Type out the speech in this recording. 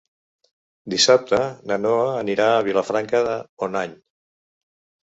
Dissabte na Noa anirà a Vilafranca de Bonany.